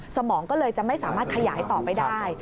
สมองก็เลยจะไม่สามารถขยายต่อไปได้